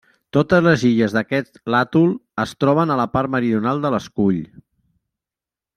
Totes les illes d'aquest l'atol es troben a la part meridional de l'escull.